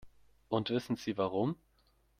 Und wissen Sie warum?